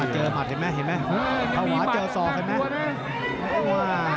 เจอมัดเห็นมั้ยเห็นมั้ย